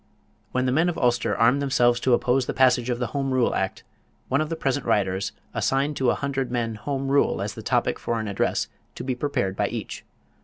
When the men of Ulster armed themselves to oppose the passage of the Home Rule Act, one of the present writers assigned to a hundred men "Home Rule" as the topic for an address to be prepared by each.